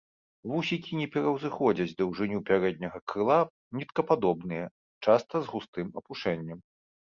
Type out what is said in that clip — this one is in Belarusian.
Вусікі не пераўзыходзяць даўжыню пярэдняга крыла, ніткападобныя, часта з густым апушэннем.